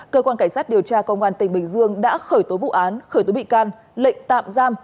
cơ quan cảnh sát điều tra công an tỉnh bình dương đã khởi tố vụ án khởi tố bị can lệnh tạm giam